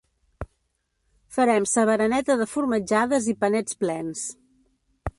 Farem sa bereneta de formatjades i panets plens